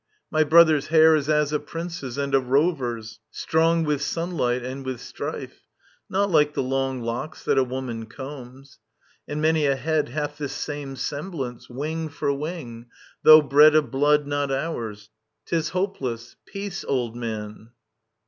My brother's hair Is as a prince's and a rover's, strong With simlight and vrith strife : not Uke the long Locks that a woman combs. •.. And many a head Hath this same semblance, wing for wing, tho' bred Of blood not ours. ... *Tis hopeless. Peace, old man.